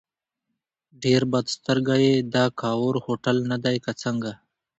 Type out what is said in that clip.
ډېر بد سترګی یې، دا کاوور هوټل نه دی که څنګه؟